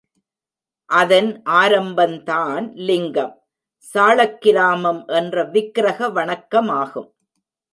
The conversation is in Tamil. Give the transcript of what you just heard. அதன் ஆரம்பந்தான் லிங்கம், சாளக்கிராமம் என்ற விக்ரக வணக்கமாகும்.